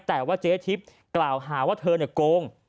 แต่ว่าเจ๊ทิพย์กล่าวหาว่าเธอโกง